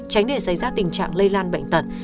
tránh để xảy ra tình trạng lây lan bệnh tật